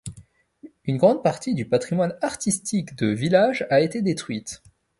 Une grande partie du patrimoine artistique de village a été détruite.